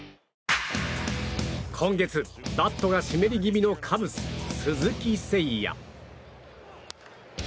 今月、バットが湿り気味のカブス、鈴木誠也。